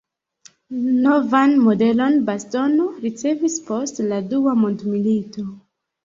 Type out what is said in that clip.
Novan modelon bastono ricevis post la dua mondmilito.